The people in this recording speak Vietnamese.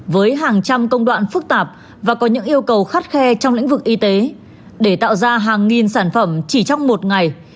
với hàng trăm công đoạn phức tạp và có những yêu cầu khắt khe trong lĩnh vực y tế để tạo ra hàng nghìn sản phẩm chỉ trong một ngày